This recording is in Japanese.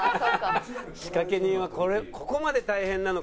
仕掛け人はここまで大変なのかってね